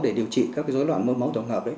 để điều trị các dối loạn mỡ máu tổng hợp đấy